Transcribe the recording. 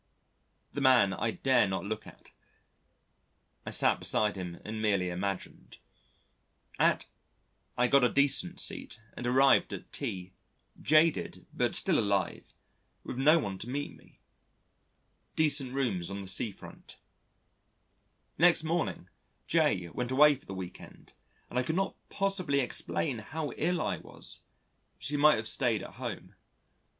The man I dare not look at: I sat beside him and merely imagined. At , I got a decent seat and arrived at T jaded, but still alive, with no one to meet me. Decent rooms on the sea front. Next morning J went away for the week end and I could not possibly explain how ill I was: she might have stayed at home.